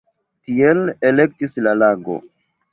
Tiel ekestis la lago.